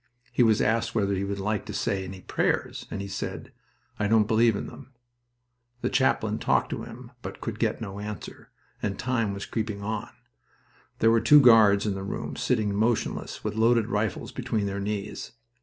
He was asked whether he would like to say any prayers, and he said, "I don't believe in them." The chaplain talked to him, but could get no answer and time was creeping on. There were two guards in the room, sitting motionless, with loaded rifles between their knees.